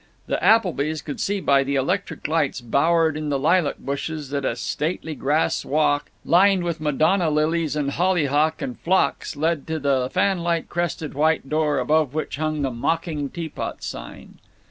The Applebys could see by the electric lights bowered in the lilac bushes that a stately grass walk, lined with Madonna lilies and hollyhock and phlox, led to the fanlight crested white door, above which hung the mocking tea pot sign.